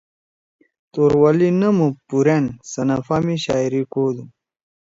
توروالی نم او پُورأن صنفا می شاعری کودُو۔